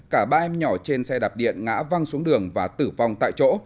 cả ba em nhỏ trên xe đạp điện ngã văng xuống đường và tử vong tại chỗ